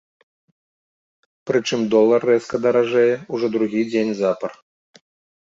Прычым долар рэзка даражэе ўжо другі дзень запар.